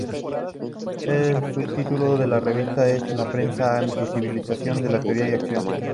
El subtítulo de la revista es ""La Prensa Anti-Civilización de Teoría y Acción"".